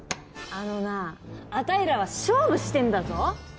あのなああたいらは勝負してんだぞ！